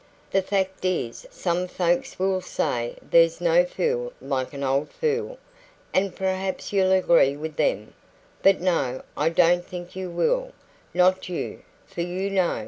The fact is some folks would say there's no fool like an old fool, and perhaps you'll agree with them; but no, I don't think you will not you, for you know...